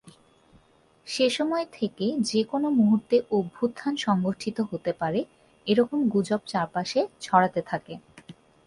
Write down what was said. সেসময় থেকে যেকোনো মুহূর্তে অভ্যুত্থান সংঘটিত হতে পারে এরকম গুজব চারপাশে ছড়াতে থাকে।